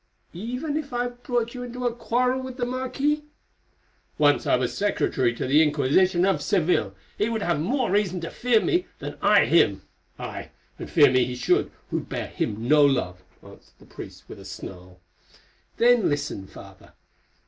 "Even if it brought you into a quarrel with the marquis? "Once I was a secretary to the Inquisition of Seville, he would have more reason to fear me than I him. Aye, and fear me he should, who bear him no love," answered the priest with a snarl. "Then listen, Father.